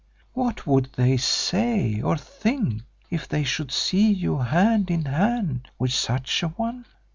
What would they say or think, if they should see you hand in hand with such a one?"